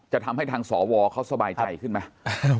จะทำให้ทางสวเขาสบายใจขึ้นไหม